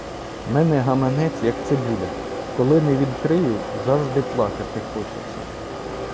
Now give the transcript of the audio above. В мене гаманець, як цибуля - коли не відкрию, завжди плакати хочеться.